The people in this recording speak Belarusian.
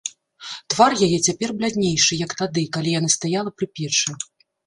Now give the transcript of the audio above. Твар яе цяпер бляднейшы, як тады, калі яна стаяла пры печы.